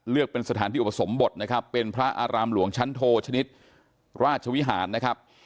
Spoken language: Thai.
เป็นสถานที่อุปสมบทนะครับเป็นพระอารามหลวงชั้นโทชนิดราชวิหารนะครับ